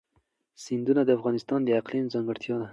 سیندونه د افغانستان د اقلیم ځانګړتیا ده.